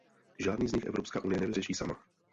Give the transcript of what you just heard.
Žádný z nich Evropská unie nevyřeší sama.